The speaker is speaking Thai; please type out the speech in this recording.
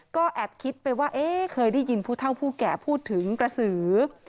ก็แอบคิดไปว่าเอ๊ะเคยได้ยินผู้เท่าผู้แก่พูดถึงกระสือ